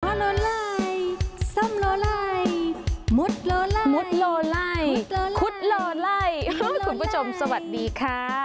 โอ้โหไล่มุดโลไล่มุดโลไล่คุดโลไล่คุณผู้ชมสวัสดีค่ะ